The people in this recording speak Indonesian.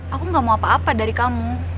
aku gak mau apa apa dari kamu